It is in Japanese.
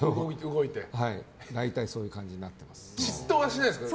大体、そういう感じになってます。